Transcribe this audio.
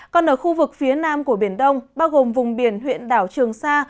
còn ở khu vực phía nam của biển đông bao gồm vùng biển huyện đảo trường sa